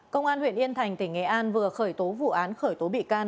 công an huyện yên thành tỉnh nghệ an vừa khởi tố vụ án khởi tố bị can